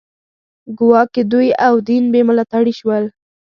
ګواکې دوی او دین بې ملاتړي شول